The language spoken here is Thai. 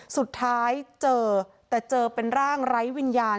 สุดท้ายเจอแต่เจอเป็นร่างไร้วิญญาณ